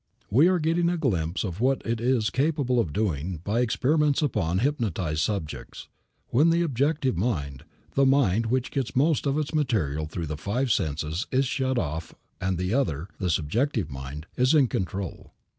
We are getting a glimpse of what it is capable of doing by experiments upon hypnotized subjects, when the objective mind, the mind which gets most of its material through the five senses is shut off and the other, the subjective mind, is in control.